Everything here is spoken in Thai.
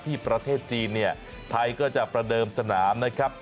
ที่ประเทศจีนไทยก็จะประเดิมสนามนะครับ